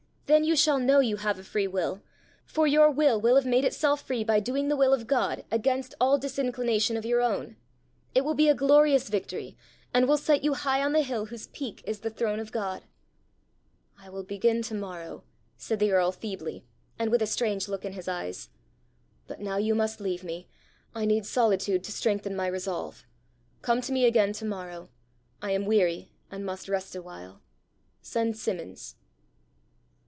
Then you shall know you have a free will, for your will will have made itself free by doing the will of God against all disinclination of your own. It will be a glorious victory, and will set you high on the hill whose peak is the throne of God." "I will begin to morrow," said the earl feebly, and with a strange look in his eyes. " But now you must leave me. I need solitude to strengthen my resolve. Come to me again to morrow. I am weary, and must rest awhile. Send Simmons."